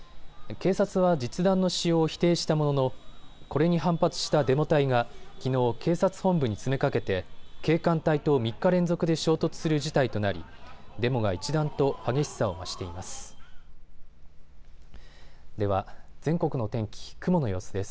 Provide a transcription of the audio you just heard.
警察は実弾の使用を否定したものの、これに反発したデモ隊がきのう警察本部に詰めかけて警官隊と３日連続で衝突する事態となり、デモが一段と激しさを増しています。